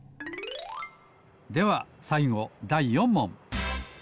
ではさいごだい４もん！